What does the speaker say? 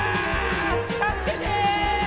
たすけて！」。